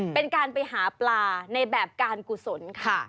เป็นการไปหาปลาในแบบการกุศลค่ะ